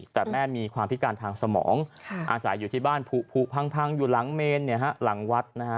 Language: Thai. แต่แม่มีความพิการทางสมองอาศัยอยู่ที่บ้านผูพังอยู่หลังเมนหลังวัดนะฮะ